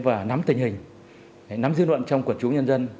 và nắm tình hình nắm dư luận trong quần chúng nhân dân